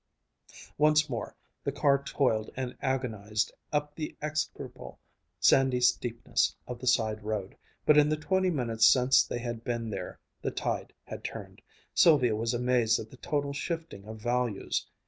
Once more the car toiled and agonized up the execrable sandy steepness of the side road; but in the twenty minutes since they had been there the tide had turned. Sylvia was amazed at the total shifting of values.